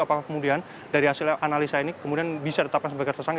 apakah kemudian dari hasil analisa ini kemudian bisa ditetapkan sebagai tersangka